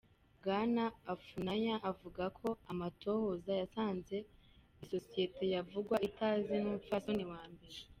Bwana Afunanya avuga ko "amatohoza yasanze isosiyete yavugwa itazwi n'umupfasoni wa mbere.